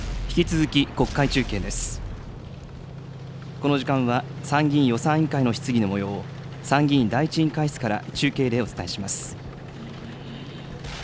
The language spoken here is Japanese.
この時間は、参議院予算委員会の質疑のもようを、参議院第１委員会室から中継でお伝えします。